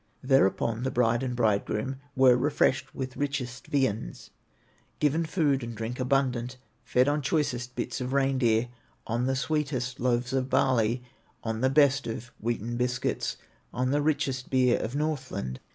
Thereupon the bride and bridegroom Were refreshed with richest viands, Given food and drink abundant, Fed on choicest bits of reindeer, On the sweetest loaves of barley, On the best of wheaten biscuits, On the richest beer of Northland.